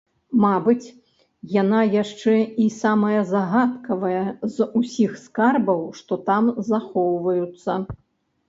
Мабыць, яна яшчэ і самая загадкавая з усіх скарбаў, што там захоўваюцца.